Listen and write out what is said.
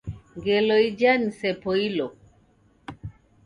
Ngelo ija nisepoilo.